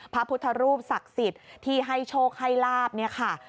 พระพุทธรูปศักดิ์สิทธิ์ที่ให้โชคให้ลาบเนี่ยค่ะ